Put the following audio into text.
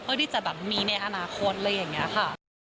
เพื่อที่จะมีในอนาคตอะไรอย่างนี้ค่ะ